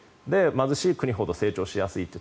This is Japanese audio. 貧しい国ほど成長しやすいって